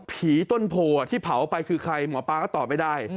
ต้นโพที่เผาไปคือใครหมอปลาก็ตอบไม่ได้